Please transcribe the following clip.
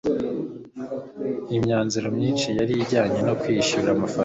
imyanzuro myinshi yari ijyanye no kwishyura amafaranga